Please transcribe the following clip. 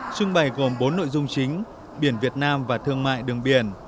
trưng bày gồm bốn nội dung chính biển việt nam và thương mại đường biển